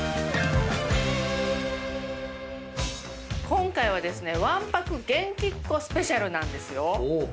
今回は「ワンパク元気っ子スペシャル」なんですよ。